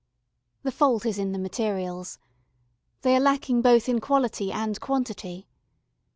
The fault is in the materials. They are lacking both in quality and quantity.